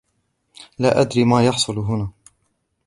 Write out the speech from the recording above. لا أدري ما يحصل هنا.